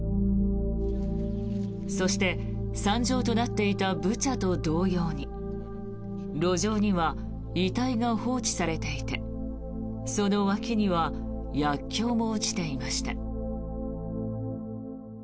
そして、惨状となっていたブチャと同様に路上には遺体が放置されていてその脇には薬きょうも落ちていました。